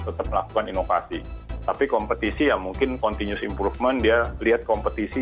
tetap melakukan inovasi tapi kompetisi ya mungkin continue improvement dia lihat kompetisi